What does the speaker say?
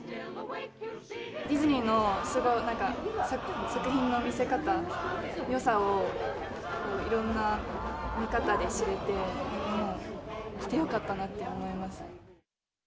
ディズニーのすごい、作品の見せ方、よさを、いろんな見方で知れて、来てよかったなって思います。